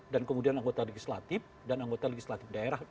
dan kemudian anggota legislatif dan anggota legislatif daerah